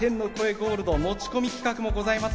ゴールド持ち込み企画もございます。